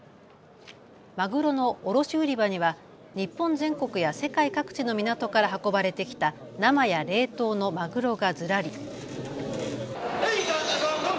マグロの卸売り場には日本全国や世界各地の港から運ばれてきた生や冷凍のマグロがずらり。